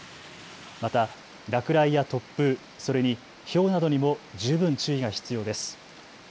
また落雷や突風、それにひょうなどにも十分注意が必要です。